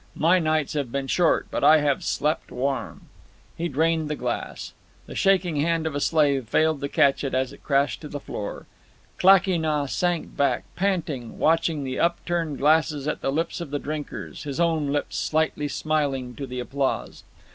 My nights have been short, but I have slept warm." He drained the glass. The shaking hand of a slave failed to catch it as it crashed to the floor. Klakee Nah sank back, panting, watching the upturned glasses at the lips of the drinkers, his own lips slightly smiling to the applause.